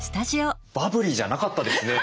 バブリーじゃなかったですね。